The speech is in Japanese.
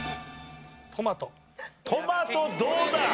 トマトどうだ？